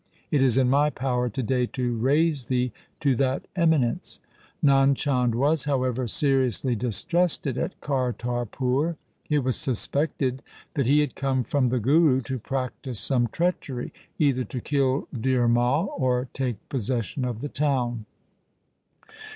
It is in my power to day to raise thee to that emi nence.' Nand Chand was, however, seriously dis trusted at Kartarpur. It was suspected that he had come from the Guru to practise some treachery — either to kill Dhir Mai or take possession of the town.